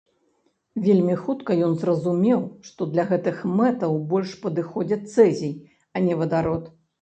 Вельмі хутка ён зразумеў, што для гэтых мэтаў больш падыходзіць цэзій, а не вадарод.